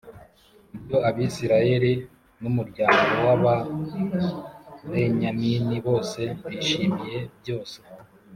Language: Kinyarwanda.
ibyo Abisirayeli n’umuryango w’Ababenyamini bose bishimiye byose.